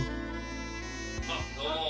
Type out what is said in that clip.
あっどうも。